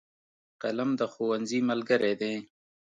قلم د ښوونځي ملګری دی.